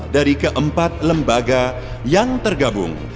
dari keempat lembaga yang tergabung